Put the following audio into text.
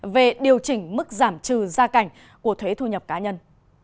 về điều chỉnh mức giảm trừ gia cảnh của thuế thu nhập cá nhân